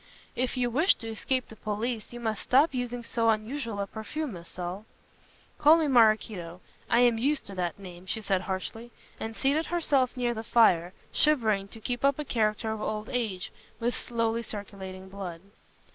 "If you wish to escape the police, you must stop using so unusual a perfume, Miss Saul " "Call me Maraquito; I am used to that name," she said harshly, and seated herself near the fire, shivering to keep up a character of old age, with slowly circulating blood.